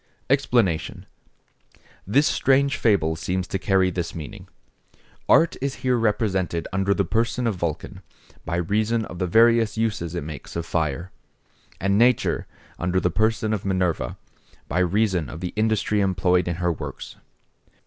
EXPLANATION.—This strange fable seems to carry this meaning. Art is here represented under the person of Vulcan, by reason of the various uses it makes of fire; and nature, under the person of Minerva, by reason of the industry employed in her works.